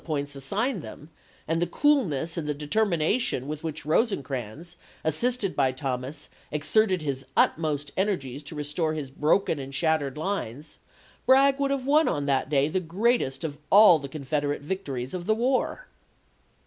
points assigned them, and the coolness and the determination with which Eosecrans, assisted by Thomas, exerted his utmost energies to restore his broken and shattered lines, Bragg would have won on that day the greatest of all the Con federate victories of the war.